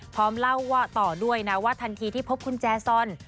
พร้อมเล่าว่าต่อด้วยนะว่าทันทีที่พบคุณแจซอน